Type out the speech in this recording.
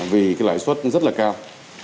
vì cái lãi suất rất là cao